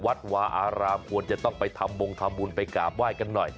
วัดวาอารามควรจะต้องไปทำบงทำบุญไปกราบไหว้กันหน่อย